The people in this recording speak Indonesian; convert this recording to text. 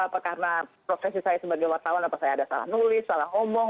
apa karena profesi saya sebagai wartawan apa saya ada salah nulis salah ngomong